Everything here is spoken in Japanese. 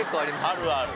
あるある。